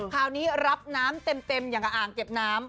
คราวนี้รับน้ำเต็มอย่างกับอ่างเก็บน้ำ